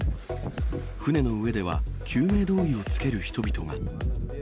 船の上では、救命胴衣をつける人々が。